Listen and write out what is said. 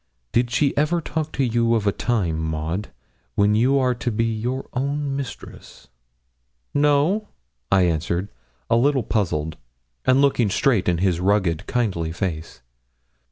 Did she ever talk to you of a time, Maud, when you are to be your own mistress?' 'No,' I answered, a little puzzled, and looking straight in his rugged, kindly face.